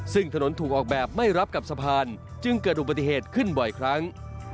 ซึ่งถนนถูกออกแบบไม่รับกับสะพานจึงเกิดอุบัติเหตุขึ้นบ่อยครั้ง